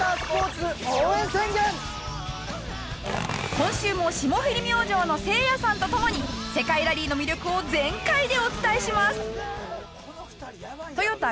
今週も霜降り明星のせいやさんと共に世界ラリーの魅力を全開でお伝えします。